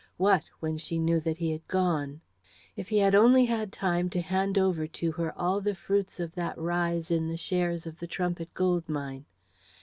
What, when she knew that he had gone? If he had only had time to hand over to her all the fruits of that rise in the shares of the Trumpit Gold Mine!